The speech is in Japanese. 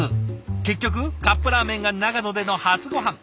結局カップラーメンが長野での初ごはん。